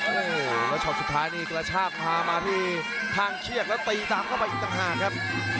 โอ้โหแล้วช็อตสุดท้ายนี่กระชากพามาที่ข้างเชือกแล้วตีตามเข้าไปอีกต่างหากครับ